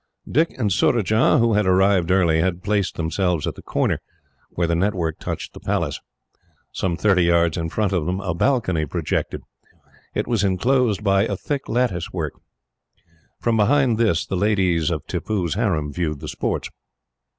Dick and Surajah, who had arrived early, had placed themselves at the corner, where the network touched the Palace. Some thirty yards in front of them, a balcony projected. It was enclosed by a thick lattice work. From behind this, the ladies of Tippoo's harem viewed the sports.